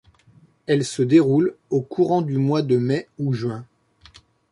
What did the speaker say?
Elle se déroule au courant du mois de mai ou juin.